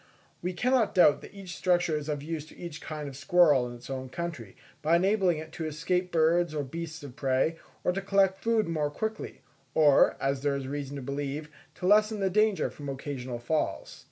We cannot doubt that each structure is of use to each kind of squirrel in its own country, by enabling it to escape birds or beasts of prey, or to collect food more quickly, or, as there is reason to believe, to lessen the danger from occasional falls.